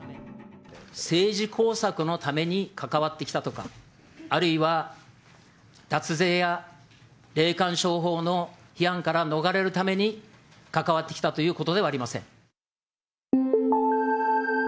政治工作のために関わってきたとか、あるいは脱税や霊感商法の批判から逃れるために関わってきたということではありません。